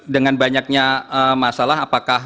dengan banyaknya masalah apakah